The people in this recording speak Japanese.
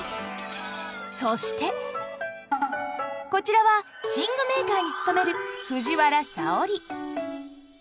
そしてこちらは寝具メーカーに勤める藤原沙織。